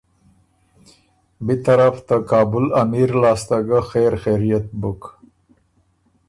بی طرف ته کابُل امیر لاسته ګۀ خېر خېریت بُک